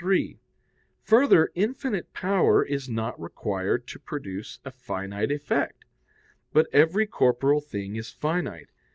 3: Further, infinite power is not required to produce a finite effect. But every corporeal thing is finite.